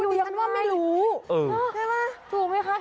คุณยังว่าไม่รู้ใช่ป่ะถูกมั้ยคะ